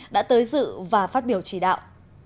đã tới dự và phát biểu chỉ đạo